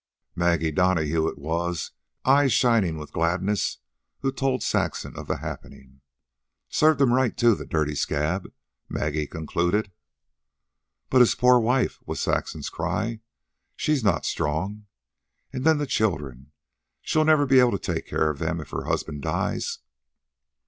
Maggie Donahue it was, eyes shining with gladness, who told Saxon of the happening. "Served him right, too, the dirty scab," Maggie concluded. "But his poor wife!" was Saxon's cry. "She's not strong. And then the children. She'll never be able to take care of them if her husband dies."